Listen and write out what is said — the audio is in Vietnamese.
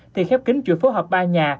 thì khép kính chuỗi phối hợp ba nhà